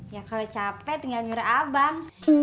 ya kalau capek tinggal nyuruh abang